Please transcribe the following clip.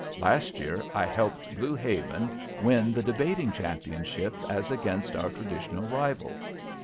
Last year I helped Blue Haven win the debating championship as against our traditional rivals.